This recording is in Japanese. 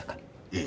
ええ。